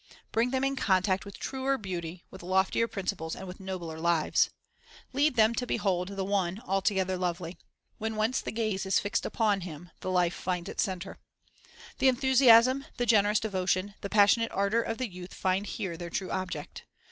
Bring them in contact with truer beauty, with loftier principles, and with nobler lives. Lead them to behold the One "altogether lovely." When once the gaze is fixed upon Him, the life finds its center. The enthusiasm, the gen erous devotion, the passionate ardor of the youth find here their true object.